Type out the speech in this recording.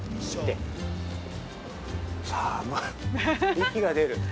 息が出る。